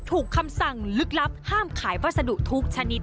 คำสั่งลึกลับห้ามขายวัสดุทุกชนิด